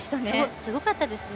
すごかったですね。